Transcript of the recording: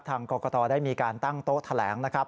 ทางกรกตได้มีการตั้งโต๊ะแถลงนะครับ